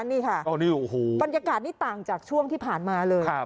นี่ค่ะอันนี้หูบรรยากาศนี้ต่างจากช่วงที่ผ่านมาเลยครับ